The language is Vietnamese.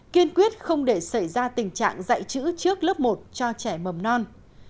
kiên quyết không để xảy ra tình trạng dạy chữ trước lớp một cho trẻ mầm non